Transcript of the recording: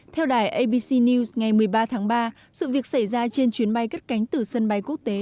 theo đài abc news ngày một mươi ba tháng ba sự việc xảy ra trên chuyến bay cất cánh từ sân bay quốc tế